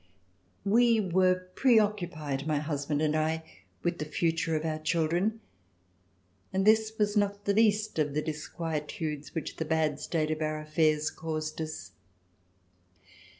We were preoccupied, my husband and I, with the future of our children, and this was not the least of the disquietudes which the bad state of our affairs caused us.